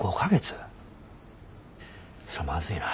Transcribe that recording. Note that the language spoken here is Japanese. それはまずいな。